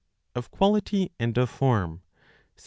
Of Quality (and of Form), 17.